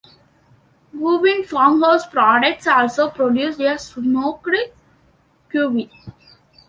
Gubbeen Farmhouse Products also produce a Smoked Gubbeen.